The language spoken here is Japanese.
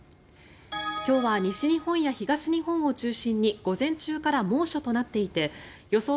今日は西日本や東日本を中心に午前中から猛暑となっていて予想